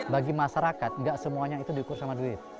bagi masyarakat tidak semuanya itu diukur dengan duit